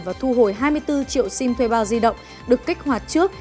và thu hồi hai mươi bốn triệu sim thuê bao di động được kích hoạt trước